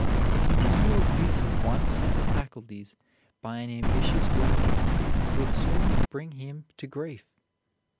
The continual use of one set of faculties by an ambitious worker will soon bring him to grief.